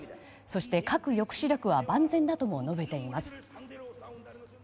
そして、核抑止力は万全だとも述べています。